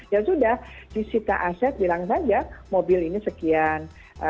ya sudah disita aset bilang saja mobil ini sekian